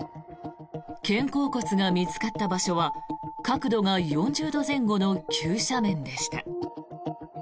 肩甲骨が見つかった場所は角度が４０度前後の急斜面でした。